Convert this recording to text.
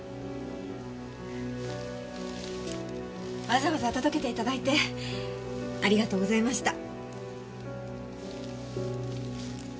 わざわざ届けて頂いてありがとうございました。